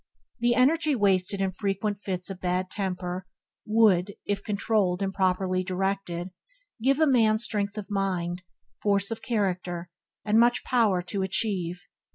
The energy wasted in frequent fits of bad temper would, if controlled and properly directed, give a man strength of mind, force of character, and much power to achieve.